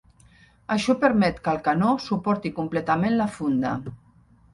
Això permet que el canó suporti completament la funda.